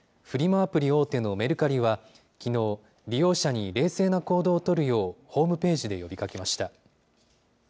アプリ大手のメルカリは、きのう、利用者に冷静な行動を取るよう、ホームページで呼びかけました。